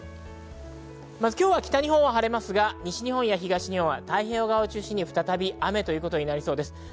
今日は北日本は晴れますが、西日本、東日本、太平洋側を中心に再び雨になりそうです。